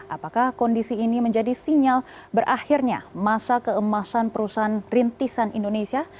apakah kondisi ini menjadi sinyal berakhirnya masa keemasan perusahaan rintisan indonesia